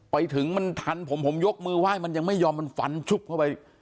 ไปถึงมันทันผมผมยกมือไหว้มันยังไม่ยอมมันฟันชุบเข้าไป